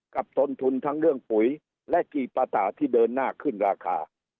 ทนทุนทั้งเรื่องปุ๋ยและกี่ปะถาที่เดินหน้าขึ้นราคา